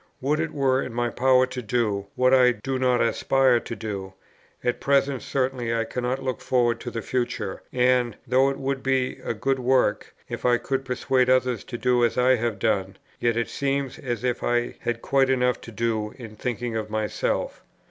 Would it were in my power to do, what I do not aspire to do! At present certainly I cannot look forward to the future, and, though it would be a good work if I could persuade others to do as I have done, yet it seems as if I had quite enough to do in thinking of myself."